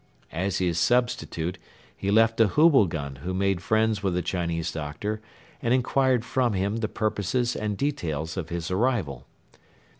As his substitute he left a Hubilgan who made friends with the Chinese doctor and inquired from him the purposes and details of his arrival.